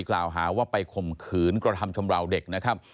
กล่าวหาว่าไปข่มขืนกระทำชำราวเด็กนะครับ